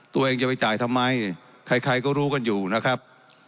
ตัวเองจะไปจ่ายทำไมใครก็รู้กันอยู่นะครับ